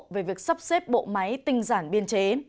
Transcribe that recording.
về việc sắp xếp bộ máy tinh giản biên chế